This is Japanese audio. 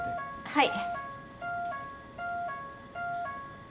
はい。